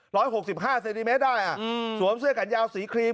หกสิบห้าเซนติเมตรได้อ่ะอืมสวมเสื้อแขนยาวสีครีม